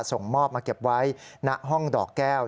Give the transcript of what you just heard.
ส่งมอบมาเก็บไว้ณห้องดอกแก้ว